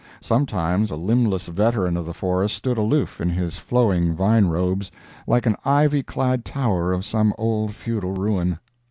Sometimes a limbless veteran of the forest stood aloof in his flowing vine robes, like an ivy clad tower of some old feudal ruin.